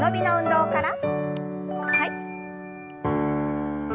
はい。